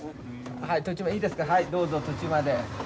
はい途中までいいですかはいどうぞ途中まで。